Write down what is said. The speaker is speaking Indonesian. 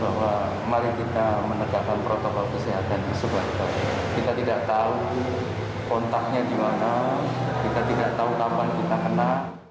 dr putri wulan sukmawati menjalani perawatan sejak tujuh belas juni di rumah sakit dr arief basuki dr anastasi di rumah sakit dr sutomo